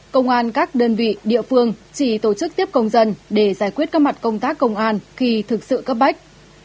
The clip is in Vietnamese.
công an các đơn vị địa phương chỉ tổ chức tiếp công dân để giải quyết các mặt công tác công an khi thực sự cấp bách